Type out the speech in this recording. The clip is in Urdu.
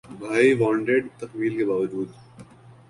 ’بھائی وانٹڈ‘ تکمیل کے باوجود